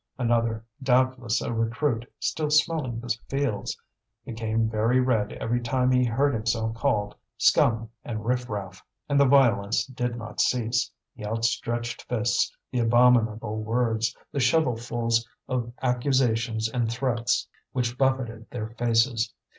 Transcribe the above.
Another, doubtless a recruit still smelling the fields, became very red every time he heard himself called "scum" and "riff raff." And the violence did not cease, the outstretched fists, the abominable words, the shovelfuls of accusations and threats which buffeted their faces.